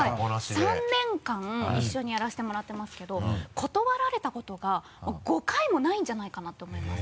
３年間一緒にやらせてもらってますけど断られたことが５回もないんじゃないかなと思います。